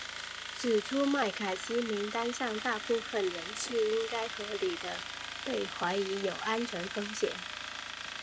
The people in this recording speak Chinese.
指出麦卡锡名单上大部分人是应该合理地被怀疑有安全风险。